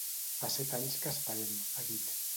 “Fa set anys que esperem”, ha dit.